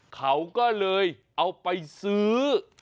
เขาก็เลยเอาไปซื้อ